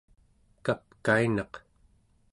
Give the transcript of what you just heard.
kapkainaq